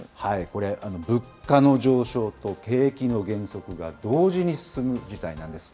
これ、物価の上昇と景気の減速が同時に進む事態なんです。